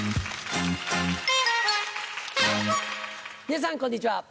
皆さんこんにちは。